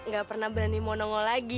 gak pernah berani mau nengol lagi